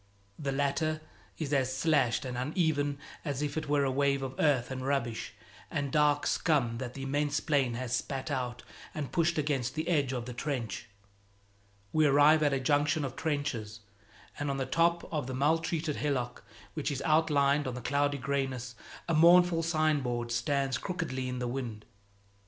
The latter is as slashed and uneven as if it were a wave of earth and rubbish and dark scum that the immense plain has spat out and pushed against the edge of the trench. We arrive at a junction of trenches, and on the top of the maltreated hillock which is outlined on the cloudy grayness, a mournful signboard stands crookedly in the wind.